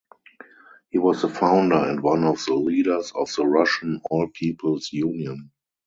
He was the founder and one of the leaders of the Russian All-People's Union.